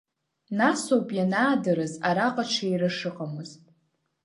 Насоуп ианаадырыз араҟа ҽеира шыҟамыз…